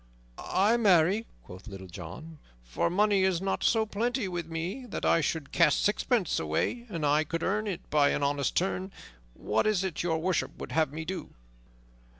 "Ay, marry," quoth Little John, "for money is not so plenty with me that I should cast sixpence away an I could earn it by an honest turn. What is it Your Worship would have me do?"